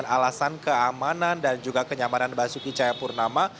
alasan keamanan dan juga kenyamanan basuki cahayapurnama